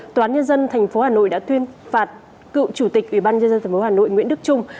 tòa nhân dân tp hà nội đã tuyên phạt cựu chủ tịch ubnd tp hà nội nguyễn đức trung